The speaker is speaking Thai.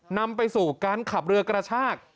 นำไปสู่การขับเรือกระชาก